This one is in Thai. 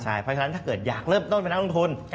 เพราะฉะนั้นถ้าเกิดอยากเริ่มต้นเป็นนักลงทุน